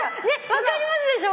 分かりますでしょ？